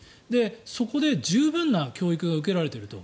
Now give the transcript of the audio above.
そこで十分な教育が受けられていると。